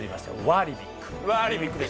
ワーリビック。